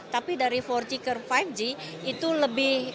tapi dari empat g ke lima g itu lebih